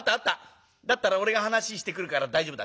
だったら俺が話してくるから大丈夫だ。